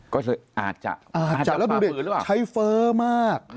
ก็อาจจะอาจจะแล้วดูดิใช้เฟ้อมาก